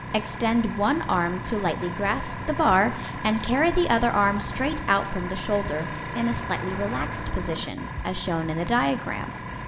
Extend one arm to lightly grasp the bar, and carry the other arm straight out from the shoulder, in a slightly relaxed position, as shown in the diagram.